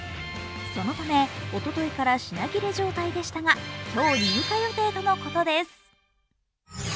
そのため、おとといから品切れ状態でしたが今日、入荷予定とのことです。